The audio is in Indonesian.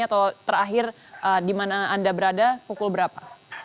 atau terakhir di mana anda berada pukul berapa